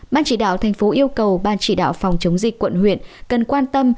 ban chỉ đạo thành phố yêu cầu ban chỉ đạo phòng chống dịch quận huyện cần quan tâm